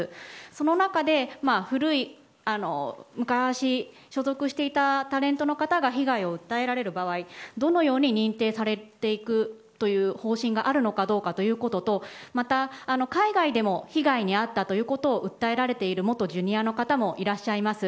その中で昔、所属していたタレントの方が被害を訴えられる場合どのように認定されていくという方針があるのかどうかということとまた海外でも被害に遭ったということを訴えられている元Ｊｒ．の方もいらっしゃいます。